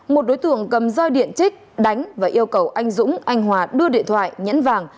một đối tượng cầm roi điện trích đánh và yêu cầu anh dũng anh hòa đưa điện thoại nhẫn vàng